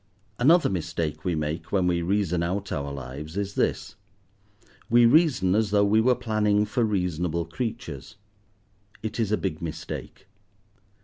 Another mistake we make when we reason out our lives is this: we reason as though we were planning for reasonable creatures. It is a big mistake.